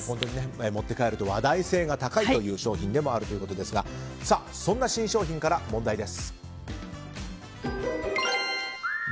持って帰ると話題性が高いという商品でもあるということですがそんな新商品から問題です。